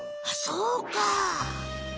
あっそうか！